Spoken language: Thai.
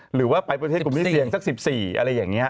หรือว่าไปประเทศกลุ่มที่เสี่ยงสัก๑๔อะไรอย่างนี้